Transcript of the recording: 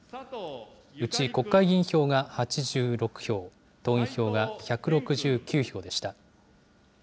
うち国会議員票が８６票、党員票が１６９票でした。